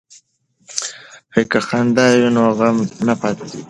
که خندا وي نو غم نه پاتې کیږي.